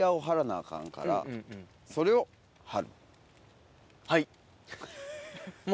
それを張る。